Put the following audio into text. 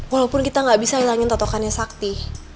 walaupun kita gak bisa hilangin totokannya sakti